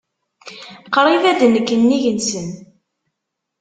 Qṛib ad d-nekk nnig-nsen.